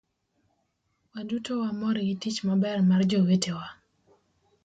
waduto wamor gi tich maber mar jowetewa